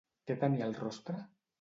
Què tenia al rostre?